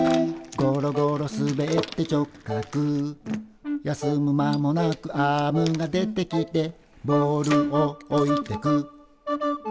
「ごろごろすべって直角」「休む間もなくアームが出てきて」「ボールをおいてく」